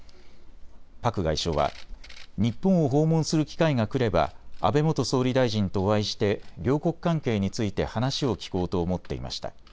パク外相は日本を訪問する機会が来れば安倍元総理大臣とお会いして両国関係について話を聞こうと思っていました。